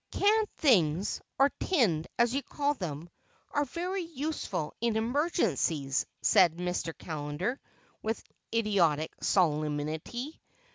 "Canned things—or tinned, as you call them—are very useful in emergencies," said Mr. Callender with idiotic solemnity.